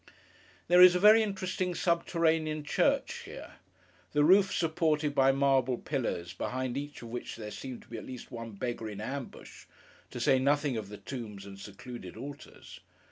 There is a very interesting subterranean church here: the roof supported by marble pillars, behind each of which there seemed to be at least one beggar in ambush: to say nothing of the tombs and secluded altars.